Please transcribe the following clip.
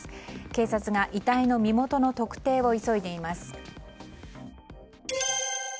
警察が遺体の身元の特定を急いでいます。